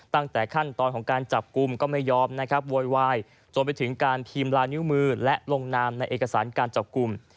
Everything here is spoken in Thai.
ตั้งแต่ขั้นตอนของการจับกลุ่มก็ไม่ยอมนะครับโวยวายจนไปถึงการพิมพ์ลายนิ้วมือและลงนามในเอกสารการจับกลุ่ม